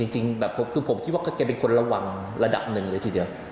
จริงแบบคือผมคิดว่าแกเป็นคนระวังระดับหนึ่งเลยทีเดียว